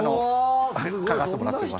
書かせてもらってます。